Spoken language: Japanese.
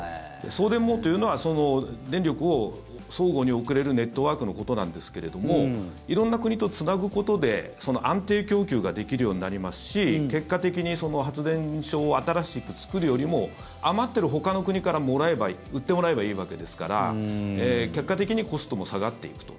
送電網というのはその電力を相互に送れるネットワークのことなんですけど色んな国とつなぐことで安定供給ができるようになりますし結果的に発電所を新しく作るよりも余っているほかの国から売ってもらえばいいわけですから結果的にコストも下がっていくと。